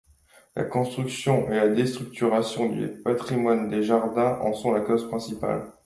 La construction et la déstructuration du patrimoine des jardins en sont la cause principale.